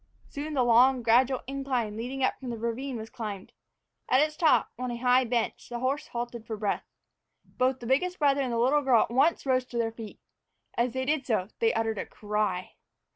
Soon the long, gradual incline leading up from the ravine was climbed. At its top, on a high bench, the horse halted for breath. Both the biggest brother and the little girl at once rose to their feet. As they did so, they uttered a cry.